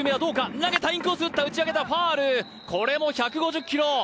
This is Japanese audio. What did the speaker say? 投げたインコース打った打ち上げたファウルこれも１５０キロ